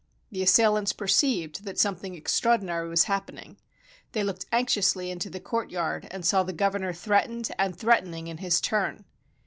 The assailants perceived that something extraordinary was happening. They looked anxiously into the courtyard, and saw the governor threatened and threatening in his turn.